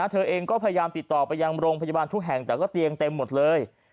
เธอเองก็พยายามติดต่อไปยังโรงพยาบาลทุกแห่งแต่ก็เตียงเต็มหมดเลย